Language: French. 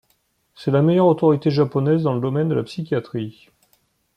C'est la meilleure autorité japonaise dans le domaine de la psychiatrie.